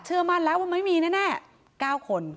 เชื่อมันแล้วมันไม่มีแน่๙คน